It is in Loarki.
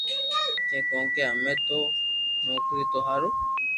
ھي ڪونڪھ ھمي نو ڪري تو ٿارو